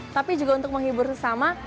tapi juga untuk menghibur sesama